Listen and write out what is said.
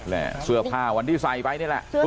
เสื้อผ้าวันที่ใส่ไปนี่แหละ